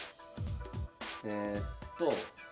えっと。